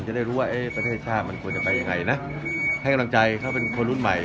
จะได้รู้ว่าประเทศชาติมันควรจะไปยังไงนะให้กำลังใจเขาเป็นคนรุ่นใหม่